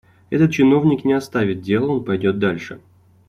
Этот чиновник не оставит дела, он пойдет дальше.